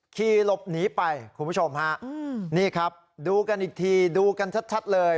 ขี่หลบหนีไปคุณผู้ชมฮะนี่ครับดูกันอีกทีดูกันชัดเลย